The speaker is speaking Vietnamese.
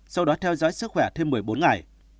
sau đó theo dõi sức khỏe thêm một mươi bốn ngày